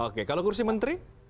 oke kalau kursi menteri